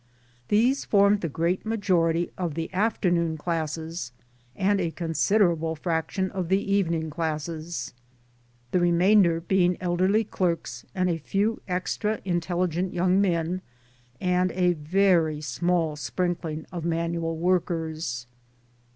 These formed the great majority of the afternoon classes, and a considerable fraction of the evening classes ; the remainder being elderly clerks and a few extra intelligent young men, and a very small sprinkling of manual workers.